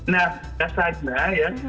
nah tidak saja ya